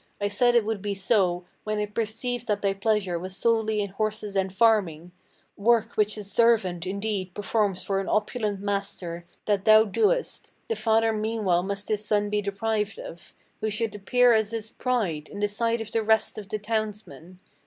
I said it would be so When I perceived that thy pleasure was solely in horses and farming: Work which a servant, indeed, performs for an opulent master, That thou doest; the father meanwhile must his son be deprived of, Who should appear as his pride, in the sight of the rest of the townsmen.